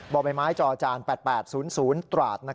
บ่อใบไม้จอจาน๘๘๐๐ตราด